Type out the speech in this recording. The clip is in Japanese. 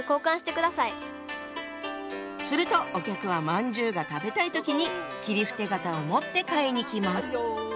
するとお客はまんじゅうが食べたい時に切符手形を持って買いに来ます。